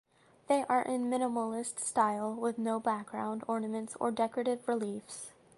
They are in minimalist style with no background ornaments or decorative reliefs.